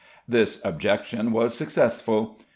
This objection was successful.